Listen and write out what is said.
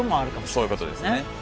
そういうことですね。